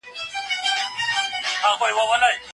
او په نړۍ كې عدل، انصاف ،نظم او امنيت رامنځ ته سي